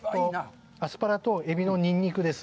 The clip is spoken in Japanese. アスパラとエビのニンニクです。